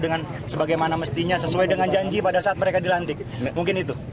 dengan sebagaimana mestinya sesuai dengan janji pada saat mereka dilantik mungkin itu